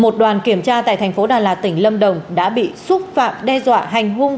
công an tại thành phố đà lạt tỉnh lâm đồng đã bị xúc phạm đe dọa hành hung